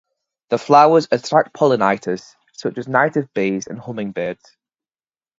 The flowers attract pollinators, such as native bees and hummingbirds.